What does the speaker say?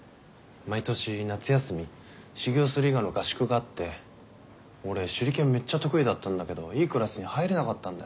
毎年夏休み修行する伊賀の合宿があって俺手裏剣めっちゃ得意だったんだけどいいクラスに入れなかったんだよ。